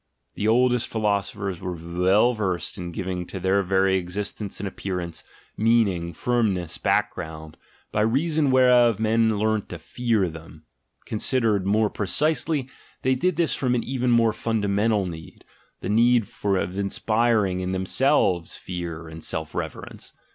The oldest philosophers were well versed in giving to their very existence and appearance, meaning, firmness, background, by reason whereof men learnt to fear them; considered more precisely, they did this from an even more fundamental need, the need of inspiring in themselves fear and self reverence.